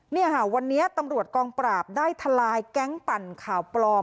เนี่ยค่ะวันนี้ตำรวจกองปราบได้ทลายแก๊งปั่นข่าวปลอม